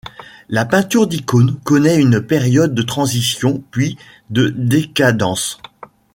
La peinture d'icône connaît une période de transition, puis de décadence.